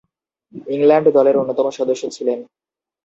England দলের অন্যতম সদস্য ছিলেন।